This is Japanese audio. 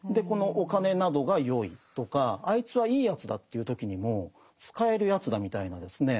お金などがよいとかあいつはいいやつだとか言う時にも使えるやつだみたいなですね